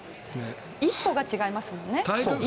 一歩が違いますもんね。